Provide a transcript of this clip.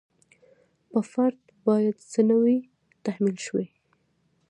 په فرد باید څه نه وي تحمیل شوي.